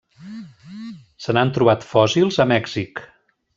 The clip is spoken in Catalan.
Se n'han trobat fòssils a Mèxic.